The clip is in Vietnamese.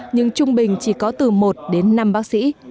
nhưng trung bình chỉ có từ một đến năm bác sĩ